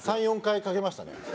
３４回かけましたね。